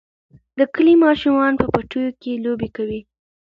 د کلي ماشومان په پټیو کې لوبې کوي.